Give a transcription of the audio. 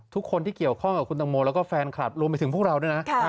ทุกคนที่เกี่ยวข้องกับคุณตังโมแล้วก็แฟนคลับรวมไปถึงพวกเราด้วยนะ